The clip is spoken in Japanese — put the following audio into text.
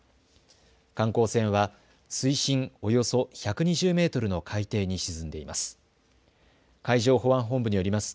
観光船は水深およそ１２０メートルの海底に沈んでいます。